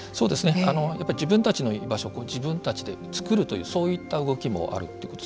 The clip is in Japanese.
やっぱり自分たちの居場所は自分たちで作るというそういった動きもあるということ。